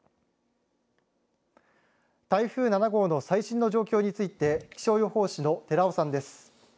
台風７号の最新の状況について気象予報士の寺尾さんです。